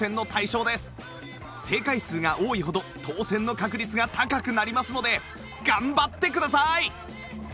正解数が多いほど当選の確率が高くなりますので頑張ってください！